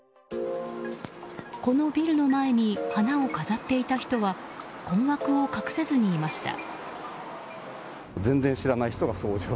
このビルの前に花を飾っていた人は困惑を隠せずにいました。